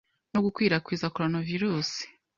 no gukwirakwiza Corona virus